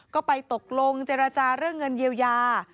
ก็ไปตกลงเจรจาเรื่องเงินเยียวยา